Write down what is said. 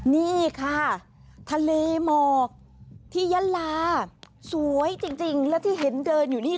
นี่ค่ะทะเลหมอกที่ยะลาสวยจริงแล้วที่เห็นเดินอยู่นี่